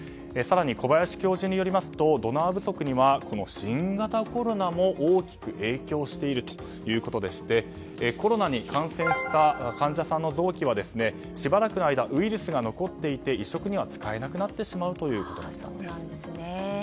更に小林教授によりますとドナー不足には新型コロナも大きく影響しているということでしてコロナに感染した患者さんの臓器はしばらくの間、ウイルスが残っていて移植には使えなくなってしまうということです。